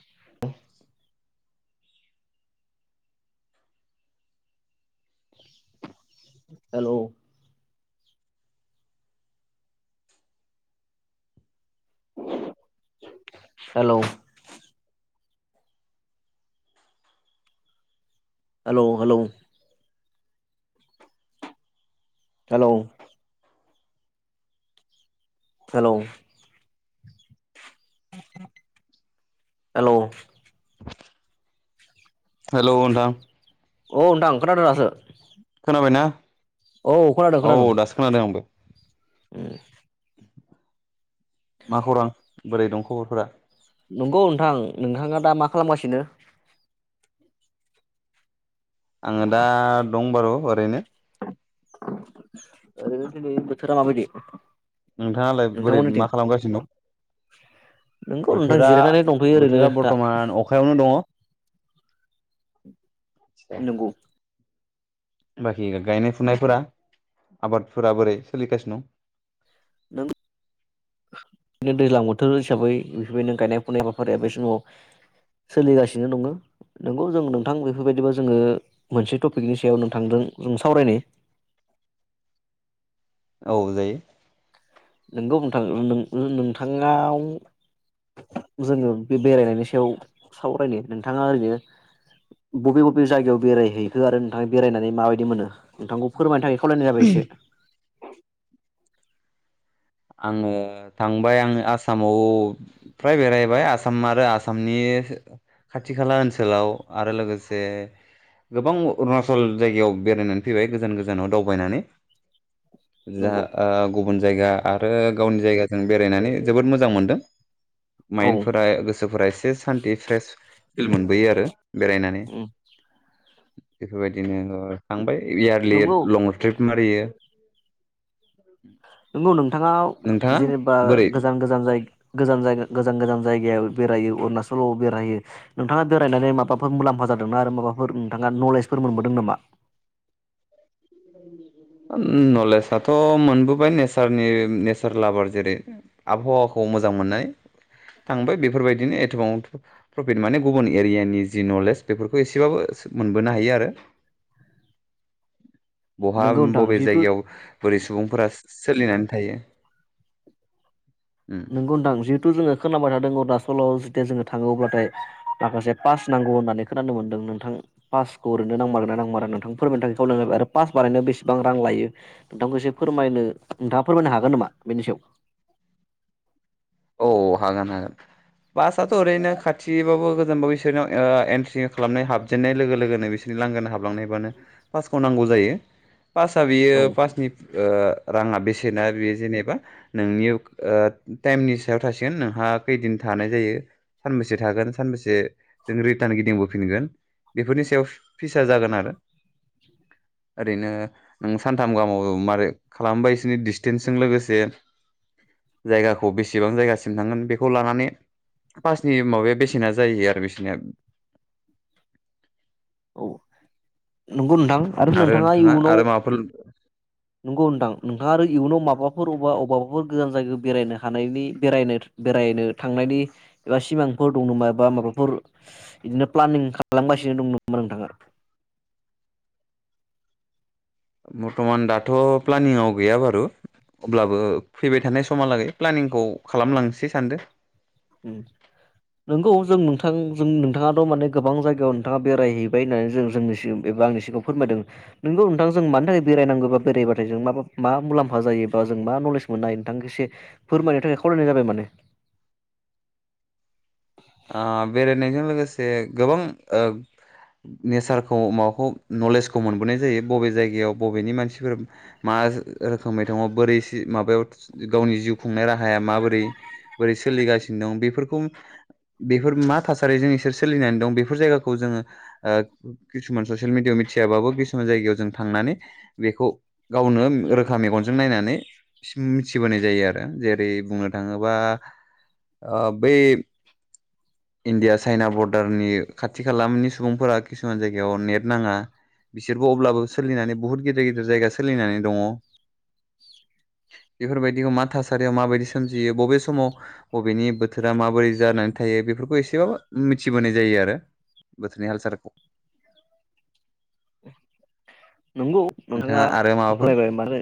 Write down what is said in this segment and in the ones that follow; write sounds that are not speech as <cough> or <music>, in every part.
<unintelligible> हेल'। <unintelligible> Hello hello hello. Hello हेल। <unintelligible> हेल' hello नोथां । औ नोंथां खोनादो दासो। खोनाबायना? औ खोनादों औ खोनादों दासो खोनादों आंबो <unintelligible> मा खौरां? बोरै दं खबरफोरा? नंगौ नोंथां ।नोंथाङा दा मा खालामगासिनो? आंङो दा दं बारुओ रैनो ओरैनो दिनै बोथोरा मा बादि? नोंथाङालाय बोरै मा खालामगासिनो नंगौ दं नोंथां बोथोरा जिरायनानै दंथ'यो ओरैनो बोथोरा दा बरथमान अखायावनो दङ। दङ नोंगौ। बाखि गायनाय फुनायफोरा आबादफोरा बोरै सोलिगासिनो दं? नों दैज्लां बोथोर हिसाबै बेफोर नों गायनाय फुनाय हाबाफारिया बे समाव सोलिगासिनो दंङो। नोंगौ जों नोंथां बेफोरबायदिबा जोंङो मोनसे टपिकनि सायाव नोंथांजों जों सावरायनि। औ जायो। नोंगौ नोंथां नों ओ नों‌ नोंथाङाव जोङो बे बेरायनायनि सायाव सावरायनो नोंथाङा ओरैनो बबे बबे जायगायाव बेरायहैखो आरो नोंथाङा बेरायनानै माबायदि मोनो नोंथांखौ फोरमायनो थाखाय खावलायनाय जाबाय इसे। आङो थांबाय आङो आसामाव फ्राय बेरायबाय आसाम आरो आसामनि खाथि खाला ओनसोलाव आरो लोगोसे गोबां अरुणाचल जायगायाव बेरायनानै फैबाय गोजान गोजानाव दावबायनानै। नंगौ हा गुबुन जायगा आरो गावनि जायगाजों बेरायनानै जोबोद मोजां मोनदों । औ उम माइन्डफोरा गोसोफोरा एसे सान्ति फ्रेश फिल मोनबोयो आरो बेरायनानै । बेफोरबायदिनो थांबाय इयारलि नंगौ लं ट्रिप मारियो । <inaudible> नोंगौ नोंथां । <unintelligible> जेनेबा बोरै गोजान गोजान जाय गोजान जायगा गोजान गोजान जायगायाव बेरायो अरुणाचलाव बेरहायो नोंथाङा बेरायनानै माबाफोर मुलाम्फा जादोंना आरो माबाफोर नोंथाङा नलेजफोर मोनबोदों नामा? <inaudible> नलेजाथ' मोन बाय नेनि नेचार लाभार जेरै आबहावाखौ मोजां मोननानै थांबाय बेफोरबायदिनो एथबां प्रफिट माने गुबुन एरियानि जि नलेज बेफोरखौ एसेबाबो मोनबोनो हायो आरो । बहा नोंगौ नोंथां बबे जिहेथु जायगायाव बोरै सुबुंफोरा सोलिनानै थायो । नंगौ नोंथां जिहेथु जोङो खोनाबबाय थादों अरुनासलाव जोङो थाङोब अब्लाथाय माखासे पास नांगौ होननानै खोनानो मोनदों नोंथां पासखौ ओरैनो नांमारोन ना नांमार नोंथां फोरमायनो थाखाय खावलायनायाय आरो पास बारायनो बेसेबां रां लायो नोंथांखौ एसे फोरमायनो नोंथाङा फोरमायनो हागोन नामा बेनि सायाव? औ हागोन हागोन फासथ' ओरैनो खाथिबाबो गोजानबाबो बिसोरनाव एनट्रि खालामनाय हाबजेननाय लोगो लोगोनो बिसोरनि लांगोना हाबलांनायबानो फासखौ नांगौ जायो । पासआ बेयो औ पासनि राङा बेसेना बे जेनेबा नोंनि <unintelligible> थासिगोन नोंहा खौदिन थानाय जायों सानबैसे थागोन सानबैसेजों रिटान गिदिं बोफिनगोन बेफोरनि सायाव पिस आ जागोन आरो ओरैनो नों सानथाम गाहामाव मारै खालामबायसो दिसतेन्स जों लोगोंसे जायगाखौ बे बेसेबां जायगासिम थांगोन बेखौ लानानै पासनि माबाया बेसेना जायो आरो बेसेनिया । औ <inaudible> न नोंथां आरो नोंथाङा इयुनाव <inaudible> नंगौ नोंथां नोंथाङा आरो इयुनाव माबाफोर अबा अबबाफोर गोजान जायगायाव बेरायनो हानायनि बेरायनो बेरायनो थांनायनि एबा सिमांफोर दं नामा एबा माबाफोर बिदिनो प्लानिं खालामगासिनो दं नामा नोंथाङा। बर्थ'मान दाथ' प्लानिंआव गैया बारु अब्लाबो फैबाय थानाय समहालागै प्लानिंखौ खालामलांसै सानदो । उम नोंगौ जों नोंथां जों नोंथाङाथ' माने गोबां जायगायाव नोंथाङा बेरायहैबाय होननानै जों जोंनि सि- एबा आंनि सिगाङ फोरमायदों नोंगौ नोंथां जों मानि थाखाय बेरायनांगौ बा बेरायबाथाय जों मा मा मुलाम्फा जायो बा जों मा नलेज मोननो हायो नोंथां एसे फोरमायनो थाखाय खावलायनाय जाबाय माने । ओ बेरायनायजों लोगोसे गोबां ओ नेचारखौ माबाखौ नलेजखौ मोनबोनाय जायो बबे जायगायाव बबेनि मानसिफोरा मा रोखोमै दङ बोरै माबायाव गावनि जिउ खुंनाय राहाया माबोरै बोरै सोलिगासिनो दं बेफोरखौ बेफोर मा थासारिजों इसोर सोलिनानै दं बेफोर जायगाखौ जोङो ओ किसुमान ससियेल मिडियाायाव मिथियाबाबो किसुमान जायगायाव जों थांनानै बेखौ गावनो रोखा मेगनजों नायनानै मिथिबोनाय जायो आरो जेरै बुंनो थाडोबा ओ बै इण्डिया चाइना बरडारनि खाथि खालानि सुबुंफोरा किसुमान जायगायाव नेट नाङा बिसोरबो अब्लाबो सोलिनानै बुहुत गिदिर गिदिर जायगा सोलिनानै दङ। बेफोरबायदिखौ मा थासारियाव माबायदि सोमजियो बबे समाव बबेनि बोथोरा माबोरै जानानै थायो बेफोर खौ एसेबो मिथिबोनाय जायो आरो बोथोरनि हाल सालखौ । नंगौ नोंथाङा फायबाय माने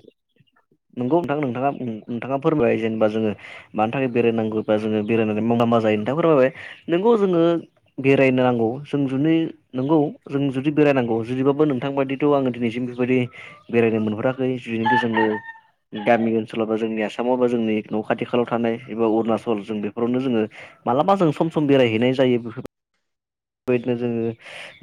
नंगौ नोंथां नोंथाङा नोंथाङा फोरमायबाय जेनेबा जोङो मानि थाखाय बेरायनांगौबा जोङो बेरायनानै <unintelligible> मा जायो नोंथाङा फोरमायबाय नोंगौ जोङो बेरायनो नांगौ जों जुदि नोंगौ जों जुदि बेरायनांगौ जुदिबाबो नोंथां बादिथ' आङो दिनैसिम बेफोरबायदि बेरायनो मोनहराखै जिनो जोङो गामि ओनसोलाव बा जोंनि आसामाव बा जोंनि न' खाथि खाालाव थानाय एबा अरुणाचल जों बेफोरावनो जोङो मालाबा जों सम बेरायहैनाय जायो बेफोर बेबायदिनो जोङो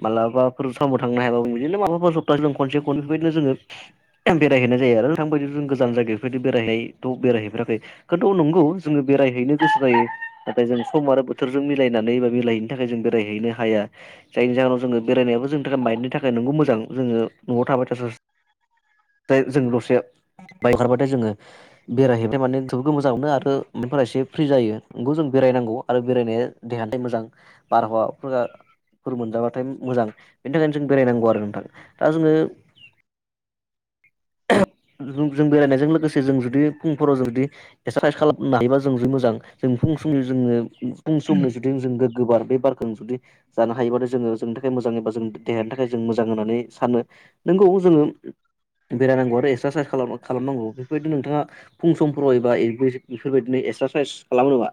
मालाबाफोर समाव थांनो हायाबो बिदिनो माबाफोरा सप्ताहसे जों खनसे खननै बेफोरबायदिनो जोङो बेरायहैनाय जायो आरो थांबायायदि जों गोजान जायगायाव बेफोरबायदि बेरायहै थ' बेरायहैफेराखै खिन्थु नंगौ जोङो बेरायहैनो गोसो जायो नाथाय जों सम आरो बोथोरजों मिलायनानै बा मिलायहैनो थाखाय जों बेरायहैनो हाया जायनि जाहोनाव जोङो बेरायनायाबो जोंनि थाखाय बायनायनि थाखाय नोंगौ मोजां जोङो न'आव थाबाय थाय <unintelligible> जों दसे बाइक हरबाथाय जोङो बेरायहैबाय माने जोरफोरखौ मोजां मोनो आरो मफोरा एसे फ्रि जायो नोंगखौ जों बेरायनांगौ आरो बेरायनाया देहानिथाय मोजां बारहावा फोरा फोर मोनजाबाथाय मोजां बेनि थाखायनो जों बेरायनांगौ आरो नोंथा दा जोङो <inaudible> जों बेरायनायजों लोगोसे जों जुदि फुंफोराव जुदि <unintelligible> खालामनो हायोबा जों मोजां जों फुं समनि जोङो फुं समनि जुदि जों गोबार बे बार जों जुदि जानो हायोबा जोङो जोंनि थाखाय मोजां एबा जोंनि देहानि थाखाय जों मोजां होननानै सानो नोंगौ जोङो बेरायनांगौ आरो एक्सारसाइस खाला-खालामनांगौ बेफोरबायदि नोंथाङा फुं समफोराव एबा बेफोरबायदिनो एक्सारसाइस खालामो नामा?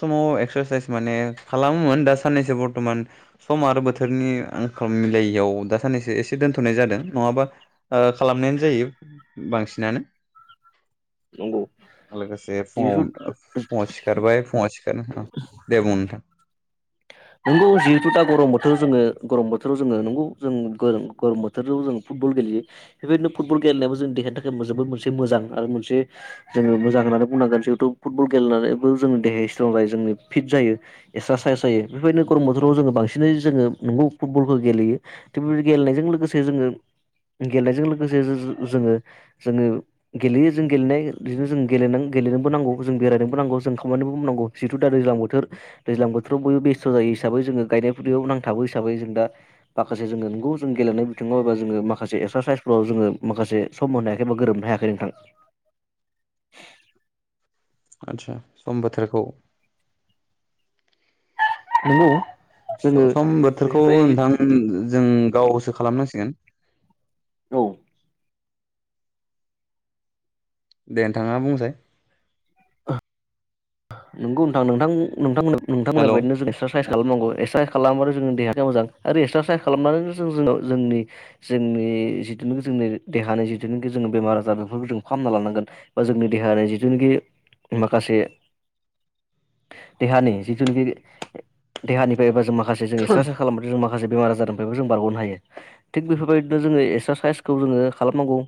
समाव एक्सारसाइस माने खालामोमोन दा साननैसो बरथ'मान सम आरो बोथोरनि आंखाल मिलायैयाव दा साननैसो एसे दोनथ'नाय जादों नङाबा ओ खालामनायानो जायो बांसिनानो। नंगौ <inaudible> लोगोसे जिहेथु फुङाव फुङाव सिखारबाय दे <inaudible> बुं नोंथां नोंगौ जिहेथु दा गरम बोथोराव जोङो गरम बोथोराव जोङो नंगौ जों गरम बोथोराव जों फुटबल गेलेयो बेबायदिनो फुटबल गेलेनायाबो जोंनि देहानि थाखाय जोबोद मोनसे मोजां आरो मोनसे जोङो मोजां होननानै बुंनांगोन जिहेतु फुटबल गेलेनायाबबो जोंनि देहाया स्ट्रं जायो जोंनि फिट जायो एक्सारसाइस जायो। बेफोरबायदिनो गरम बोथोराव जोङो बांसिनै जोङो नंगौ फुटबलखौ गेलेयो थिग बे गेलेनायजों लोगोसे जोङो, गेलेनायजों लोगोसे जो-जो-जोङो जोङो गेलेयो जों गेलेनाय बिदिनो जों गेल गेलेनोबो नांगौ जों बेरायनोबो नांगौ जों खामानिबोनांगौ जिहेथु दा दैज्लां बोथोर दैज्लां बोथोराव बयबो बेस थ' जायो हिसाबै जोङो गायनाय फुनाययाव नांथाबो हिसाबै जों दा माखासे जोङो खौ जों गेलेनाय बिथिङावबा जोङो माखासे एक्सारसाइसफ्राव जोङो माखासे सम होनो हायाखै बा गोरोबनो हायाखै नोंथां। आदसा सम बोथोरखौ नंगौ <inaudible> जोङो स-सम बोथोरखौ बेफोरबाय नोंथां जों गावसो खालामनांसि गोन औ दे नोंथाङा बुंसाय? नोंगौ नोंथां नोंथां नोंथांमोन हेलौ बेबायदिनो जों एक्सासाइस खालामनांगौ एक्सा खालाम आरो जोंनि देहखौ मोजां आरो एक्सारसाइस खालामनानैनो जो-जो-जोङो जोंनि जोंनि जिथुनिखि जोंनि देहानि जिथुनिखि जोङो बेमार आजार बेफोरखौ जों फाहामना लानांगोन बा जोंनि देहानि जिथुनिखि माखासे <inaudible> देहानि जिथुनाखि देहानिफ्राय एबा जों माखा माखासे जों एक्सासाइज खालामबाथाय माखासे बेमार आजारनिफ्रायबो जों बारग'नो हायो थिग बेफोरबायदिनो जोङो एक्सारसाइसखौ जोङो खालामनांगौ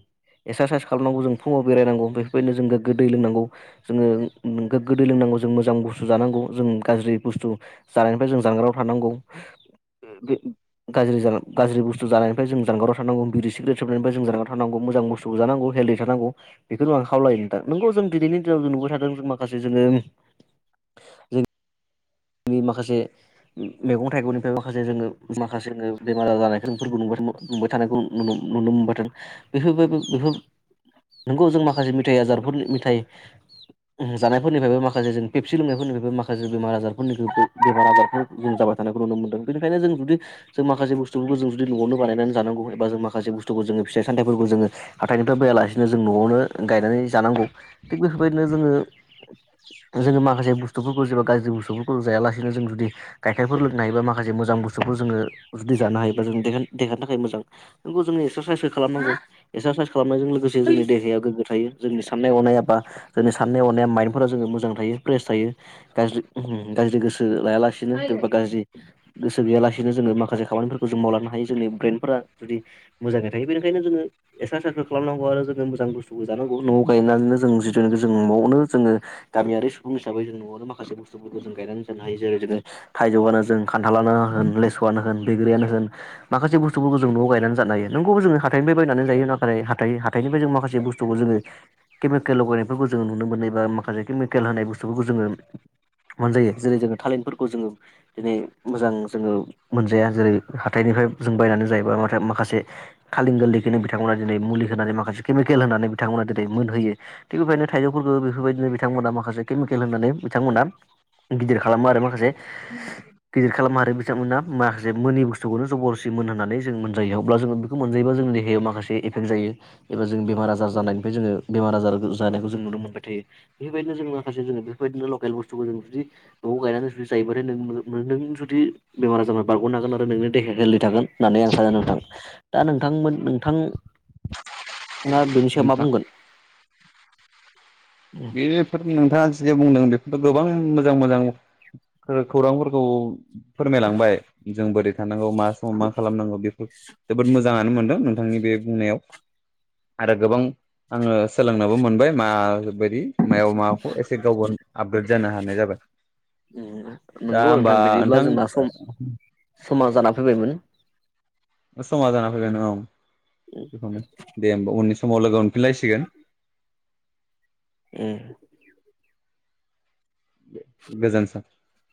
एक्सारसाइस खालामनांगौ जों फुङाव बेरायनांगौ बेफोरबायदिनो जों गोग्गो दै लोंनांगौ जोङो गोदो लोंनांगौ जों मोजां बुस्थु जानांगौ जों गाज्रि बुस्थु जानायनिफ्राय जों जानगाराव थानांगौ बे गाज्रि गाज्रि बुस्थु जानायनिफ्राय जों जानगाराव थानांगौ बिरि सिग्रेट सोबनायनिफ्राय जों जानगाराव थानांगौ मोजां बुस्थु जानांगौ हेलडि थानांगौ बेखौनो आं खावलायो ना नोंगौ जों दिनैनि दिनाव जों नुबाय थादों जों माखासे जोङो <inaudible> जों नि माखासे मैगं थाइगंनिफ्राय माखासे जोङो माखासे जोङो बेमार आजार जानायखौफोरखौ नुबाय थानायखौ नुनो मोनबाय थों बेफोरबायबो बेफोर नंगौ जों माखासे मिथाइ आजारफोरनि मिथाइ जानायफोरनिफ्रायबो माखासे जों फेबसि लोंनायफोरनिफ्रायबो माखासे बेमार आजार बेनि बेमार आजारखौ जों जाबाय थानायखौ नुनो मोन्दों बेनिखायनो जों जुदि जों माखासे बुस्थुफोरखौ जों जुदि न'आवनो बानायनानै जानांगौ एबा जों माखासे बुस्थुखौ जोङो फिाइ सथाइफोरखौ जोङो हाथायनिफ्राय बायालासेनो जों न'आवनो गायनानै जानांगौ थिग बेफोरबायदिनो जोङो जोङो माखासे बुस्थुफोरखौ जेबो गाज्रि बुस्थुफोरखौ जायालासेनो जों जुदि गाइखेरफोर लोंनो हायोबा माखासे मोजां बुस्थुफोर जोङो जानो हायोबा जोंनि देहानि थाखाय मोजां बेखौ जों एक्सारसाइसबो खालामनांगौ एक्साराइस खालामनायजों लोगोसे जोंनि नोंथां देहाया गोग्गो थायो। जोंनि साननाय हनाया बा जोंनि साननाय हनाया माइडफोरा जोङो मोजां थायो फ्रेस थायो गाज्रि गाज्रि गोसो लाया ला नो गाज्रि गोसो गैयालासेनो जोङो माखासे खानिफोरखौ जों मावलांनो हायो जोंनि ब्रेेनफोरा जुदि मोजाङै थायो बेनिखायनो जोङो एक्सारसाइसखौ खालामनांगौ आरो जोङो मोजां बुस्थुबो जानांगौ न'आव गायनानैनो जों जिथुखि जों न'आव जोङो गामियारि सुबुं हिसाबै जों न'आवनो माखासे बुसथु जों गायनानै जानो हायो जेरै जोङो थायजौआनो जों खान्थालानो होन लेसु'वानो होन बैग्रियानो होन माखासे बुस्थुफोरखौ जों न'आव गायनानै जानो हायो नंगौबो जोङो हाथाइनिफ्राय बायनानै जायो नाथाय हाइ हाथाइनिफ्राय जों माखासे बुस्थुखौ जोङो केमिकेल लगायनायफोरखौ जोङो नुनो मोनो बा माखासे केमिकेल होनाय बुस्थुफोरखौ जोङो मोनजायो जेरै जोङो थालिरफोरखौ जोङो दिनै मोजां जोङो मोनजाया जेरै हाथाइनिफ्राय जों बायनानै जायोबाा माखासे थाललिं गोरलैखौनो बिथांमोना दिनै मुलि होनानै माखासे केमिकेल होनानै बिथांमोना दिनै मोनहोयो थिग बेबायनो थाइजौफोरखौ बेफोरबायदिनो बिथांमोना माखासे केमिकेल होननानै बिथांमोना गिदिर खालामो आरो माखासे गिदिर खालामो आरो बिथांमोना माखासे मोनै बुस्थुखौनो जबरजसि मोन होननानै जों मोनजायो अब्ला जोङो बेखौ मोनजायोबा जोंनि देहायाव माखासे एफेक्ट जायो एबा जों बेमार आजार जानायनिफ्राय जोङो बेमार आजार जानायखौ जों नुनो मोनबाय थायो बेफोरबायदिनो जों माखासे जोङो बेबायदिनो लकेल बुस्थुखौ जों जुदि न'आव गायनानै जुदि जायोबथाय नों जुदि बेमार आजार बारग'नो हागोन आरो नोंनि देहाया हेलदि थागोन होननानै आं सानो नोंथां दा नोंथांमोन नोंथां दा बेनि सायाव मा बुंगोन? बेफोर नोंथाङा जि बुंदों बे गोबां मोजां मोजां खौरांफोरखौ फोरमायलांबाय जों बोरै थानांगौ मा समाव मा खालामनांगौ बेफोर जोबोद मोजाङानो मोनदों नोंथांनि बे बुंनायाव आरो गोबां आङो सोलोंनोबो मोन <inaudible> मा बायदि मायाव माबाखौ एसे <unintelligible> आपग्रेद जानो हानाय जाबाय दा नंगौ होमबा नोंथां समान जाना फैबायमोन। समा जाना फैबाय होनबा औ दे हबा उननिस समाव लोगो मिलायसिगोन उम <unintelligible>